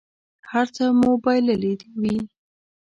هر څه به مو بایللي وي.